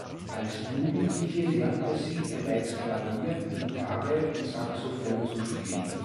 Als Jugendliche lernte sie bereits Klavier, Gitarre und Saxophon zu spielen.